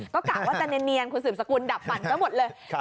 ก็กะว่าจะเนียนคุณสืบสกุลดับปั่นซะหมดเลย